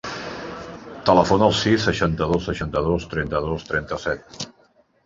Telefona al sis, seixanta-dos, seixanta-dos, trenta-dos, trenta-set.